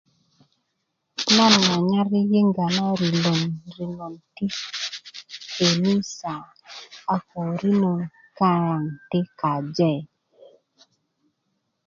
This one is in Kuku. nan nyanyar yiyinga na rino ti kenisa a ko rino kayaŋ ti kaje